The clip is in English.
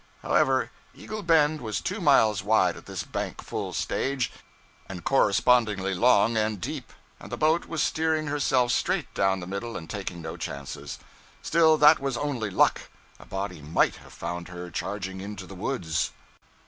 However, Eagle Bend was two miles wide at this bank full stage, and correspondingly long and deep; and the boat was steering herself straight down the middle and taking no chances. Still, that was only luck a body _might _have found her charging into the woods.